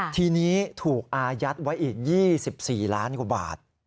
ทีนี้ถูกอายัดไว้อีก๒๔ล้านกว่าบาท